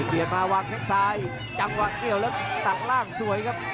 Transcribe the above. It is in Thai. เดี๋ยวมาวางแค่งซ้ายจังหว่างเดี๋ยวแล้วตัดร่างสวยครับ